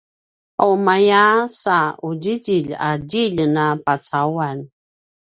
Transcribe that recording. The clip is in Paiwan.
aqumaya sa qudjidjilj a djilj na pucauan?